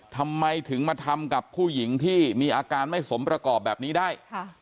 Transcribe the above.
ทำไมถึงมาทำกับผู้หญิงที่มีอาการไม่สมประกอบแบบนี้ได้